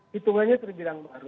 hitungannya terbirang baru